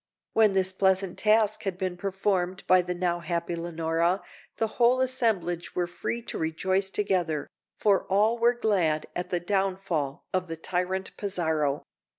When this pleasant task had been performed by the now happy Leonora, the whole assemblage were free to rejoice together, for all were glad at the downfall of the tyrant Pizarro.